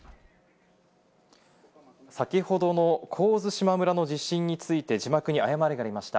先ほどの神津島村の地震について字幕に誤りがありました。